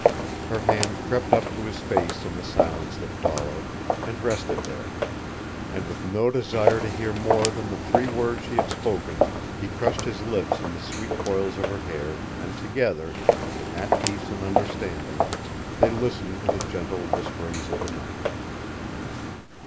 Her hand crept up to his face in the silence that followed, and rested there; and with no desire to hear more than the three words she had spoken he crushed his lips in the sweet coils of her hair, and together, in that peace ands understanding, they listened to the gentle whisperings of the night.